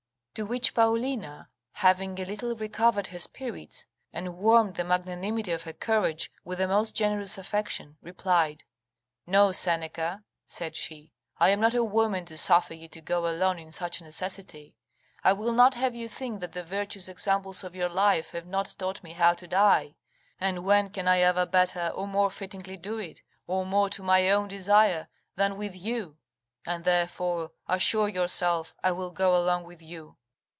To which Paulina, having a little recovered her spirits, and warmed the magnanimity of her courage with a most generous affection, replied, "No, Seneca," said she, "I am not a woman to suffer you to go alone in such a necessity: I will not have you think that the virtuous examples of your life have not taught me how to die; and when can I ever better or more fittingly do it, or more to my own desire, than with you? and therefore assure yourself I will go along with you."